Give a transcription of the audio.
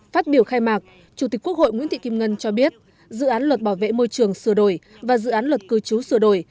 phát biểu khai mạc chủ tịch quốc hội nguyễn thị kim ngân cho biết dự án luật bảo vệ môi trường sửa đổi và dự án luật cư trú sửa đổi